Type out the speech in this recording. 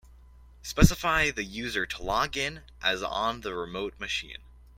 Specify the user to log in as on the remote machine.